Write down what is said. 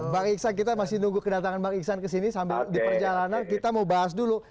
bang iksan kita masih nunggu kedatangan bang iksan kesini sambil di perjalanan kita mau bahas dulu